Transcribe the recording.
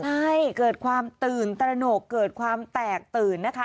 ใช่เกิดความตื่นตระหนกเกิดความแตกตื่นนะคะ